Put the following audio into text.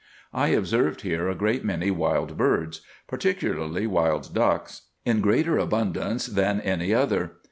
I observed here a great many wild birds, particularly wild ducks, in greater abundance than any other.